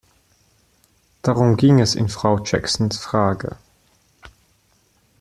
Darum ging es in Frau Jacksons Frage.